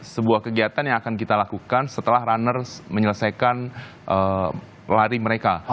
sebuah kegiatan yang akan kita lakukan setelah runner menyelesaikan lari mereka